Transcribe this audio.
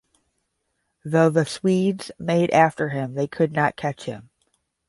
Though the Swedes made after him, they could not catch him.